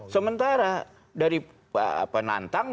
sementara dari penantang